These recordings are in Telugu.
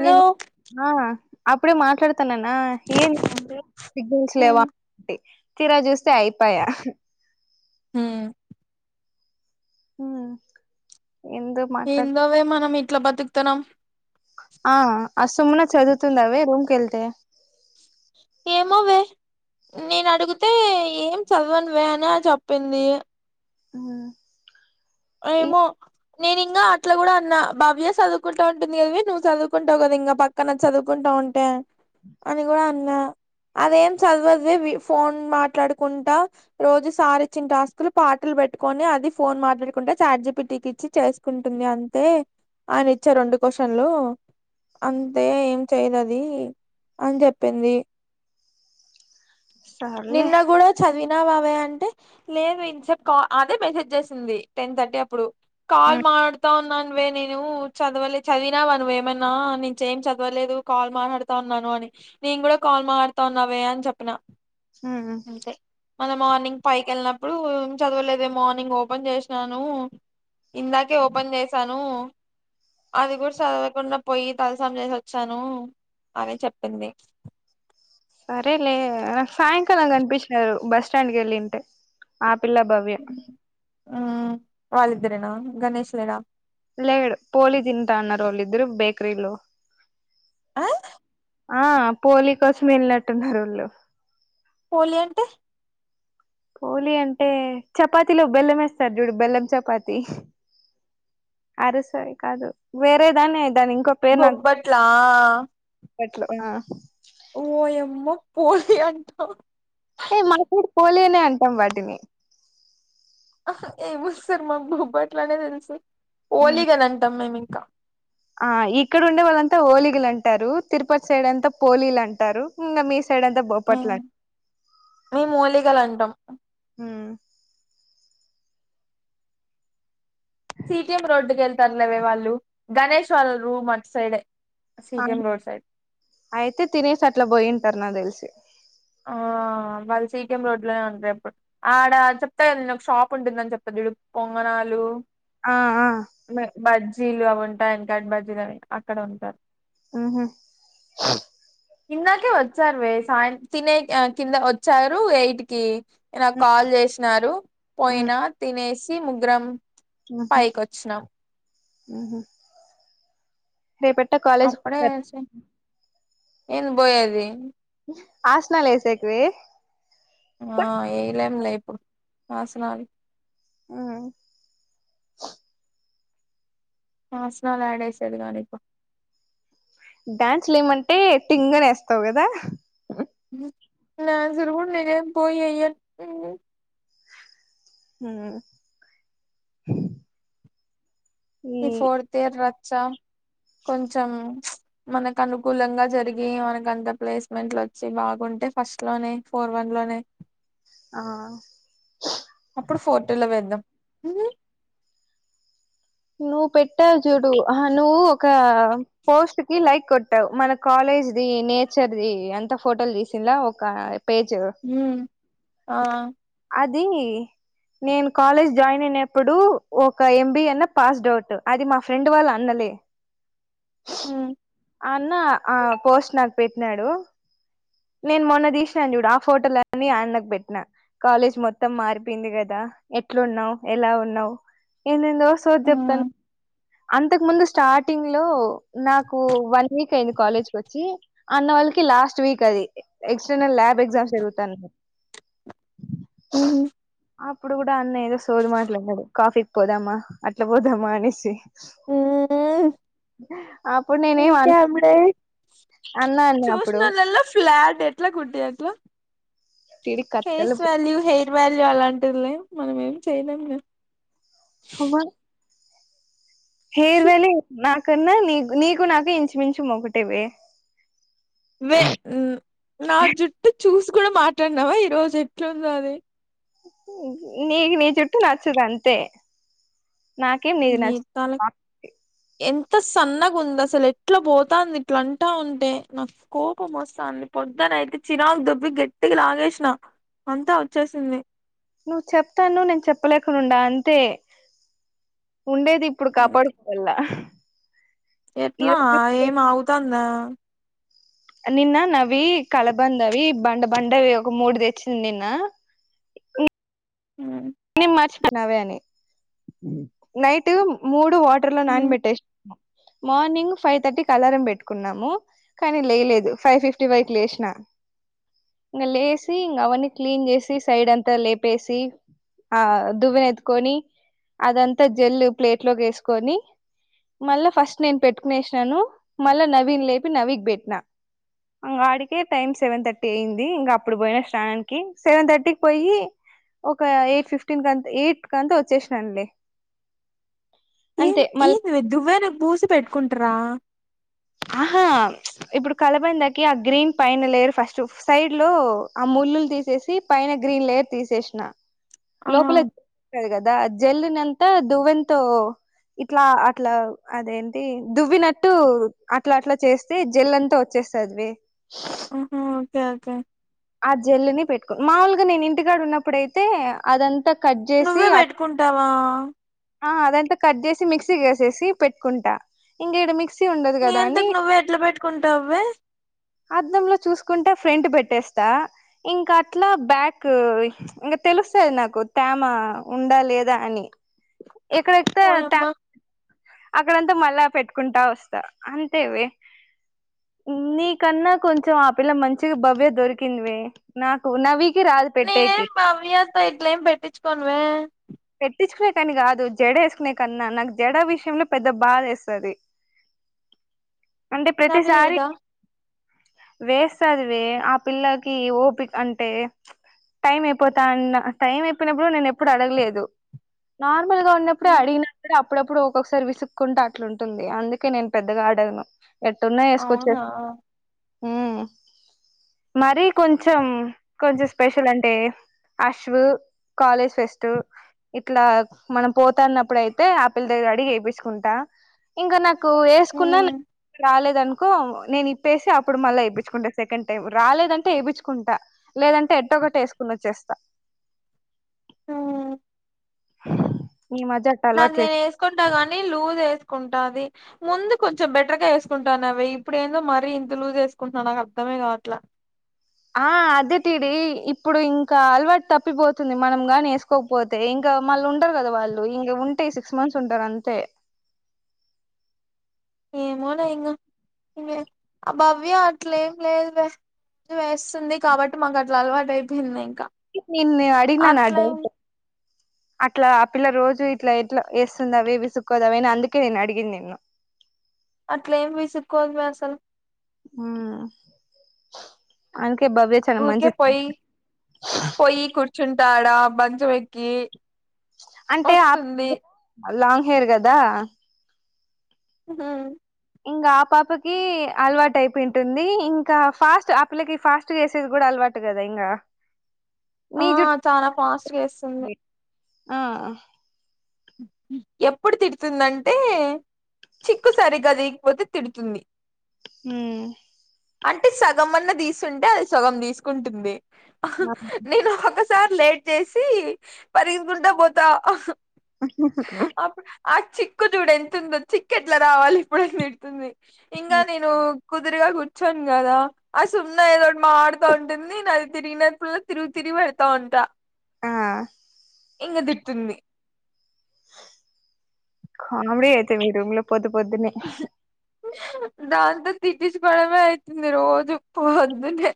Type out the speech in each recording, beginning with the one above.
హలో నేను అప్పుడే మాట్లాడుత న ఏం సిగ్నల్స్ లేవా ఉమ్ కరా చూస్తే అయిపోయా హ హుమ్ హందవే మనం ఇట్లా బతుకుతున్నాం ఆ అసమున్న చదువుతుంది అవి రూమ్కి వెళ్తే ఏం హవ నేను అడిగితే ఏం చదవనువే అనే చెప్పింది ఉ ఏమో నేను ఇంకా అట్లా కూడా అన్న భవ్య చదువుకుంటా ఉంటుంది వే నువ్వు చదువుకుంటావు కద ఇంకా పక్కన చదువుకుంటా ఉంటే అని కూడా అన్నా అదేం చదువద్వి ఫోన్ మాట్లాడుకుంటా రోజు సారిచ్చిన టాస్కులు పాటలు పెట్టుకొని అది ఫోన్ మాట్ కుంటే చార్జిపి టీకి ఇచ్చి చేసుకుంటుంది అంతే అని ఇచ్చే రెండు క్వశ్చన్లు అంతే ఏం చేయదు అది అని చెప్పింది సర్లే నిన్న కూడా చదివి న్నావావే అంటే లేదు ఇసేప్ అదే మెసేజ్ చేసింది టెన్ థర్టీ అప్పుడు కాల్ హ్మ్ మతా ఉన్నాను వే నేను చదవలే చదివినావా నువ్వు ఏమన్నా నుంచే ఏం చదవలేదు కాల్ మాట్లాడుతా ఉన్నాను అని నేను కూడా కాల్ మాడుతన్నావే అని చెప్పిన ఉ అంతే మళ్ళ మార్నింగ్ పైకి వెళ్ళినప్పుడు ఏం చదవలేదు మార్నింగ్ ఓపెన్ చేసినాను ఇందాకే ఓపెన్ చేసాను అది కూడా చదవకుండా పోయి తలసం చేసి వచ్చాను అని చెప్పింది సరేలే ఆ సాయంకాలం కనిపించినారు బస్ స్టాండ్కి వెళ్ళింటే ఆప్ పిల్ల భవ్య ఇద్దరేనా గణేష్ లేడా లేడు పోలీ తింటన్నారు వాళ్ళిద్దరూ బేకరీలో ఆ ఆ పోలీ కోసం వెళ్ళినట్టున్నారు వాళ్ళు పోలి అంటే పోలి అంటే చపాతిలో బెల్లం వేస్తారు చూడు బెల్లం చపాతి అరు సారి కాదు వేరేదానే బొబ్బట్లా బొబ్బట్లు ఆ ఓయమ్మో పోలి అంటావు ఏ మన సైడ్ పోలి అనే అంటాం వాటిని ఏమి వస్తారు మా బుబ్బట్లనే తెలుసు ఓలిగలు అని అంటాం మేము ఇంకా ఆ ఇక్కడ ఉండే వాళ్ళంతా హోలీగలు అంటారు తిరుపతి సైడ్ అంతా పోలీలు అంటారు ఇంకా మీ సై సైడ్ అంతా బొబ్బట్లు మేము అన్ మేము ఓలీగలు అంటాం ఉ సిటిఎం రోడ్డుకి వెళ్తారులేవే వాళ్ళు గణేష్ వాళ్ళ రూమ్ అటు సైడే ఆ సిటిఎం రోడ్ సైడ్ అయితే తినేసి అట్లా పోయింటారు నా తెలిసి ఆ ఆ వాళ్ళు సీకఎం రోడ్ లోనే ఉంటారు ఎప్పుడు ఆడ చెప్తా కద న ఒక షాప్ ఉంటుందని చెప్పది ఇ పొంగనా నాలు ఆ ఆ నా బజ్జీలు అవి ఉంటాయి వెంకాటి బజ్జీలు అవి అక్కడ ఉంటారు ఉహు ఇందాకే వచ్చారు వే సాయంత తినే కింద వచ్చారు ఎయిట్కిి నాకు ఉ కాల్ చేసినారు పోయినా తినేసి ముగ్గురం ఉహు పైకొచ్చినం ఉహు రేపట్ట కాలేజ్ ఉన్ ఏన్ పోయేది ఆసనాలు ఏసేకి వే ఆ ఏయలేం లే ఇప్పుడు ఆసనాలు ఉ ఆస్నాలు ఆడేసాడు గాని పో డ్యాన్స్ లేమంటే టింగనేస్తావు కదా ఉ లేజరుగుడ నీకేం పోయేయర్ ఊ ఈ ఫోర్త్ ఇయర్ రచ్చా కొంచెం ప్చ్ మనకు అనుకూలంగా జరిగి మనక అంత ప్లేస్మెంట్లు వచ్చి బాగుంట్ అంటే ఫస్ట్ లోనే ఫోర్ వన్ లోనే ఆ ఇప్పుడు ఫోర్ టు ల వెడ్దాం నువ్వు పెట్టావు చూడు ఆ నువ్వు ఒక పోస్ట్ కి లైక్ కొట్టావు మన కాలే లేజ్ ది నేచర్ ది అంత ఫోటోలు తీసింద ఒక పేజ్ ఊ ఆ ఇది నేను కాలేజ్ జాయిన్ అయినప్పుడు ఒక ఎంబి అన్న పాస్డ్ ఔట్ అది మా ఫ్రెండ్ వాళ్ళ అన్నలే ఊ ఆ అన్న పోస్ట్ నాకు పెట్టినాడు నేను మొన్న తీసినాను చూడు ఆ ఫోటోలని ఆ అన్నకు పెట్టినా కాలేజ్ మొత్తం మారిపోయింది కదా ఎట్లున్నవు ఎలా ఉన్నావు ఏం జే ఏందో సోది చెప్తాంది అంతకు ముందు స్టార్టింగ్ లో నాకు వన్ వీక్ కయింది కాలేజ్ కి వచ్చి అన్న వాళ్ళకి లాస్ట్ వీక్ అది ఎ ఎక్స్టర్నల్ ల్యాబ్ ఎక్సామ్స్ జరుగుతనయ్ అప్పుడు కూడా అన్న ఏదో సోది మాట్లాలు అనాడు కాఫీకి పోదామా అట్లా పోదామా అనేసి అప్పుడు నేనే ఏం అన్ ప్చ్ అన్నా అన్నా అప్పుడు చూసినోల్లల ఫ్లాట్ ఎట్లా కుట్టి అట్లా తిడి కట్టలు ఫేస్ వాల్యూ హెయిర్ వాల్యూ అలాంటిదిలే మనం ఏం చేయలేం గ హవర్ హెయిర్ వాల్యూ నాకన్నా నీ నీకు నాకు ఇంచుమించు ఒకటివే వే ఉ నా జుటు చూసి కూడా మాట్లాడినావా ఈ రోజు ఎట్లుంది అది నీకి నీ జుట్టు నచ్చదంతే నాకేం నీది నచ్చ అంత సన్నగా ఉంది అసలు ఎట్లా పోతంది ఇట్ల అంటా ఉంటే నా కోపం వస్తుంది పొద్ద అయితే చిరాకు దబ్బి గట్టికి లాగేసిన అంతా వచ్చేసింది నువ్వు చెప్తానవ్ నేను చెప్పలేకనుండా అంతే ఉండేది ఇప్పుడు కాపాడుకోవల ఎట్లా ఏం ఆగుతందా నిన్న నవి కలబంద వి బండ బండవి ఒక మూడు తెచ్చింది నిన్న ఇ ఊ నేన్ మార్చిపోన అవే అని నైట్ మూడు టు వాటర్ లో నాన్ పెట్టేష్నా మార్నింగ్ ఫైవ్ థర్టీకి అలారం పెట్టుకున్నాము కానీ లేలేదు ఫైవ్ ఫిఫ్టీ వరకు లేసిన ఇంగ లేసి ఇంగ అవన్ని క్లీీన్ చేసి సైడ్ అంతా లేపేసి ఆ దువెని ఎత్తుకొని అదంతా జల్లు ప్లేట్ లో వేసుకొని మళ్ళా ఫస్ట్ నేను పెట్టుకునేసినాను మళ్ళా నవీన్ లేపి నవీకి పెట్టినా ఇంగ అడికే టైం సెవెన్ థర్టీ అయింది ఇంకా అప్పుడు పోయిన స్నానానికి సెవెన్ థర్టీకి పోయి ఒక ఎయిట్ ఫిఫ్టీన్ కంత ఎయిట్ కాంత వచ్చేసినను లే ఏం ఏది దువ్వెకు పూసి పెట్టుకుంటారా ఆహా ప్చ్ ఇప్పుడు కలబందకి ఆ గ్రీన్ పైన లేరు ఫస్ట్ సైడ్ లో ఆ ముళ్ళులు తీసి చేసి పైన గ్రీన్ లేయర్ తీసేసిన ఆ లోపల [inaudible] కదా జెల్నంతా దువ్వెనతో ఇట్లా అట్లా అదేంటి దువ్వినట్టు అట్లా అట్లా చేస్తే జల్ అంతా వచ్చేస్తుందివే ఆహ ఓకే ఓకే ఆ జల్లుని పెట్టుకుని మాముూలుగా నేను ఇంటికాడ ఉన్నప్పుడైతే అదంతా కట్ చేసి నువ్వే అ పెట్టుకుంటావా ఆ అదంతా కట్ చేసి మిక్సీ వేసేసి పెట్టుకుంటా ఇంకేడ మిక్స ఉండదు నీ కదా అని అంతకు నువ్వే ఎట్లా పెట్టుకుంటావే అద్దంలో చూకుంటే ఫ్రెం పెట్టేస్ ఇంకా అట్లా బ్యాక్ ఇంకా తెలుస్తుది నాకు తేమ ఉండాలి లేద అని ఇక్కడతే ఓయమ్మా అక్కడంతా మళ్ళా పెట్టుకుంటా వస్తా అంతేవి నీకన్నా కొంచం ఆ పిల్ల మంచిగా భవ్య దొరికిందివి నాకు నవీ నేనేం బావ్యతో ఇట్లం పెట్టించుకోనువే పెట్టించుకునే కాని కాదు జడ వేసుకునే కన్నా నాకు జడ విషయంలో పెద్ద బాధ వేస్తుది అంటే నావి ప్రతిసారి ఇదా వేస్తాది వే ఆ పిల్లకి ఓపిక అంటే టైం అయిపోతా అన్న టైం అయిపోయినప్పుడు కూడా నేను ఎప్పుడు అడగలేదు నార్మల్గా ఉన్నప్పుడే అడిగినప్పుడేప్పు అప్పుడప్పుడు ఒక్కొక్కసారి విసుక్కుంటూ అట్లుంటుంది అందుకే నేను పెద్దగా అడగను ఎట్టున్నా వేసుకొచ్చే అవునా మరి కొంచెం కొంచెం స్పెషల్ అంటే అశవు కాలేజ్ ఫెస్ట్ ఇట్లా మనం పోతాన్నప్పుడు అయితే ఆ పిల్ల దగ్గర అడిగి చేయించుకుంటా ఇంకా నాకు వేసుకున్నా ఉమ్, రాలేదు అనుకో నేను ఇప్పేసి అప్పుడు మళ్ళా ఇప్పించుకుంటా సెకండ్ టైం రాలేదంటే వేయిపించుకుంట లేదంటే ఎట్టొ కట్ట వేసుకుని వచ్చేస్తా ఆ ఈ మధ్య అట్ట అది అలవాటు చే నేను వేసుకుంటా గాని లూజ్ వేసుకుంటా అది ముందు కొంచెం బెటర్ గా వేసుకుంటాను అవి ఇప్పుడు ఏందో మరీ ఇంత లుజ్ వేసుకుంటున్నాను నాకు అర్ధమే కావట్లా ఆ అదేటిడి ఇప్పుడు ఇంకా అలవాటు తప్పిపోతుంది మనం గానే వేసుకోకపోతే ఇంకా మళ్ళ ఉండరు కదా వాళ్ళు ఇంగ ఉంటే సిస్ మంత్స్ ఉంటారు అంతే ఏమోలే ఇంగ ఇ ఆ భవ్య అట్లే ఏం లేదు లే వేస్తుంది కాబట్టి మాకు అట్లా అలవాటు అయిపోయిందియి నేను నిన్న అడిగానని ఆ డౌట్ అట్లా ఆ పిల్ల రోజు ఇట్లా ఎట్లా వేస్తుంద విసుక్కోదావ అని అందుకే నేను అడిగింది నేను [inaudible] అట్ల ఏం విసుకోదు వే అసలు ఉమ్ అండ్ భవ్య చాలా ఊరికే మంచిది పొయ్యి పొయ్యి కూర్చుంటాడా మంచం ఎక్కి అంటే ఆ వస్తుంది లాంగ్ హెయిర్ కదా హ ఇంకా ఆ పాపకి అలవాటు అయిపోయి ఉంటుంది ఇంకా ఫాస్ట్ ఆపిలకి ఫాస్ట్ చేసేది కూడా అలావా టు కదా ఇంకా ఆ నీ జుట్టు చాలా ఫాస్టుగా వేస్తుంది ఆ ఎప్పుడు తిడుతుందంటే చిక్కు సరిగ్గా తీయాకపోతి తిడుతుంది మ్మ్ హ్హ్ అంటే సగం అన్నా తీసుంటే అది సగం తీసుకుంటుంది నేను ఒక సారి లేట్ చేసి పరుగుకుంటా పోతా ఆా అప్పుడు ఆ చిక్కు చూడు ఎంతుందో చిక్ ఎట్లా రావాలి ఇప్పుడు అంటుంది ఇంకా నేను కుదురుగా కూర్చొను కదా ఆ సున్నా ఏదోటి మాడుతా ఉంటుంది నాది తిరిగినప్పుడు తిరిగి తిరిగి పెడతాంట ఆ ఇంగ తిటుంది కామీడీ అయితే మీ రూమ్ లో పొల్లు పొల్లు దాంతో తిట్టుచుకోవడమే అయితుంది రోజు ఫుల్లు అందుకే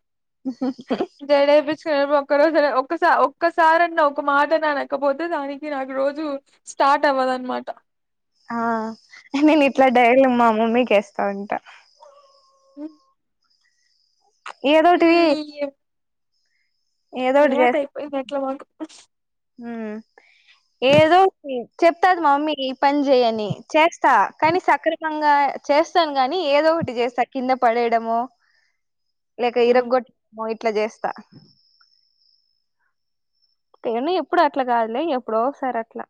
జెడ ఎపిచ్చుకుని ఎల్లిపో ఒక రోజు ఒక్కసారన్న ఒక మాట అనకపోతే దానికి నాకు రోజు స్టార్ట్ అవ్వదు అన్నమాట ఆ నేను ఇట్లా డైర్లు మా మమ్మీకిస్తా ఉంటా హ్హ్ ఏడుంటివి అలవాటయిపోయి అట్లా పట్టుకున్న మ్మ్ హ్ ఏదో చెప్తాది మమ్మీ ఈ పని చేయని చేస్తా కానీ సక్రమంగా చేస్తాను గానీ ఏదో ఒకటి చేస్తా కింద పడేయడమో లేక ఇరగగొట్టడమో ఇట్లా చేస్తా నులే ఎప్పుడు అట్లా కాదులే ఎప్పుడో ఒకసారి అట్లా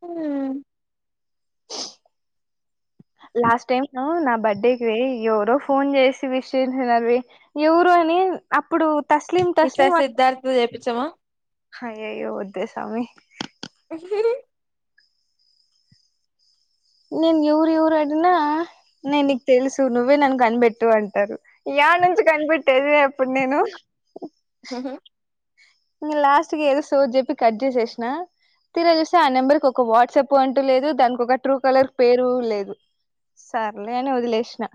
హు మ్మ్ లాస్ట్ టైం నా బర్డేకి ఎవరో ఫోన్ చేసి విష్ చేసి నవ్వి ఎవరో అని అప్పుడు తస్లిం తస్లి ఈసారి అని సిద్ధార్థ చేపిచ్చమా అయ్యయ్యో వద్దు స్వామి పర నేను ఎవరు ఎవరు అడిగినా నేను నీకు తెలుసు నువ్వే నాన్ కనిపెట్టు అంటారు యానుంచి కనిపెట్టేది ఇప్పుడు నేను హ్హ్ హు లాస్ట్ కి ఎదో సోది చెప్పి కట్ చేేసిన తిర చూస్తే ఆ నెంబర్కి ఒక వాట్సాప్ అంటూ లేదు దానికి ఒక ట్రూ కలర్ పేరు లేదు సర్లే అని వదిలేసిన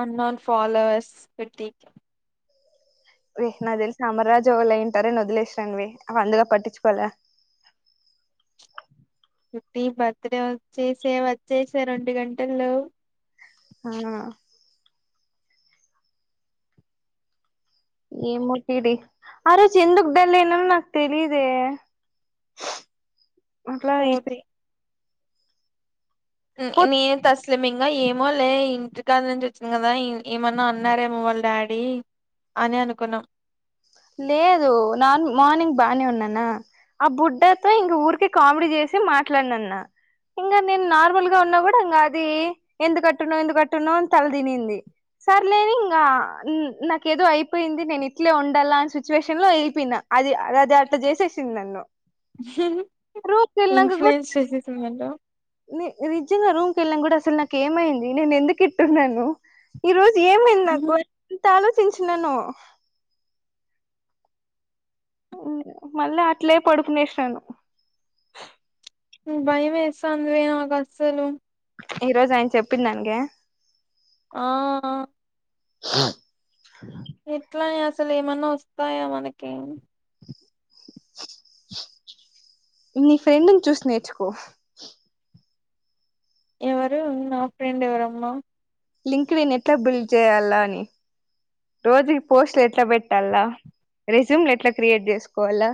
అన్నోన్ ఫాాలోవర్స్ పెట్టి నాకు తెలిసిన అమర రాజు వాళ్ళు ఏంటారని వదిలేసాను అ అందులో పట్టించుకోలే ఫిఫ్టీ బర్త్డే వచ్చేసేవచ్చేస రెండు గంటల్లో అవును ఏ ముటిడి ఆ రోజు ఎందుకు డల్ అయినం నాకు తెలియదే మల ఈతే సోది మిది అంతస్తు అసలు మింగా ఏమో లే ఇంటికాడి నుంచి వచ్చింది కదా ఏమన్నా అన్నారేమో వాళ్ళ డాడీ అని అనుకున్నాం లేదు నేను మార్నింగ్ బానే ఉన్నా నాన్న ఆ బుడ్డతో ఇంక ఊరికే కామెడీ చేసి మాట్లాడినన్న ఇంకా నేను నార్మల్ గా ఉన్నా కూడా ఇంకా అది ఎందుకట్టున్నా ఎందుకుకట్టున్నావు అని తల తినింది సర్లే నని ఇంకా నాకు ఏదో అయిపోయింది నేను ఇట్లే ఉంటా అని సిచువేషన్ లో వెళ్ళపోయిన అది అ అది అ చేసేసింది నన్ను రూమ్ కి వెళ్ళినాక కూడా ఇన్ఫ్లుయెన్స్ చేసే సినిమాల నిజంగా రూమ్ కి వెళ్ళనాక కూడా అసలు నాకు ఏమైంది నేను ఎందుకిట్టున్నాను ఈ రోజు ఏమైంది నాకు ఎంత ఆలోచించినానో మళ్ళీ అట్లే పడుకునేసినాను భయమేస్తాంధివే నాకు అస్సలు ఈ రోజు ఆయన చెప్పిందానికా ఆ ఆ ఎట్లనె అసలు ఏమన్నా వస్తాయా మనకి [inaudible] నీ ఫ్రెండ్ని చూసి నేర్చుకో ఎవరు నా ఫ్రెండ్ ఎవరమ్మా లింక్డిన్ ఎట్లా బిల్డ్ చేయాలా అని రోజుకి పోస్టులు ఎట్లా పెట్టాల్ల రెజ్యూమ్ ఎట్లా క్రియేట్ చేసుకోవాలా